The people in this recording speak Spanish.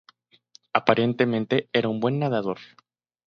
Aparentemente era un buen nadador.